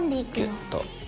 ギュッと。